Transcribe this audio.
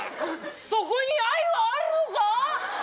そこに愛はあるのか？